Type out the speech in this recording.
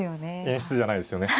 演出じゃないですよね。